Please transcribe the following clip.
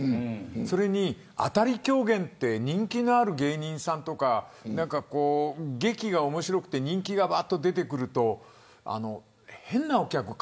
それに、当たり狂言って人気のある芸人さんとか劇が面白くて人気がわっと出てくると変なお客さん